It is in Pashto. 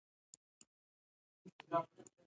لړزیدل یې ناشوني وو.